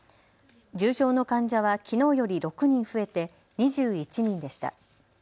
重症の患者はきのうより６人増えて２１人でした。